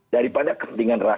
daripada kepentingan rakyat